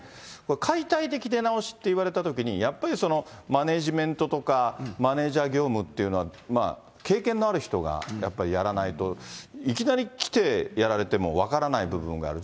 解体的出直しって言われたときにやっぱりマネージメントとかマネージャー業務っていうのは、経験のある人が、やっぱりやらないと、いきなり来てやられても分からない部分がある。